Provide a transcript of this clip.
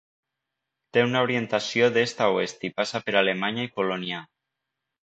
Té una orientació d'est a oest i passa per Alemanya i Polònia.